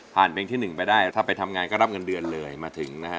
เพลงที่๑ไปได้ถ้าไปทำงานก็รับเงินเดือนเลยมาถึงนะฮะ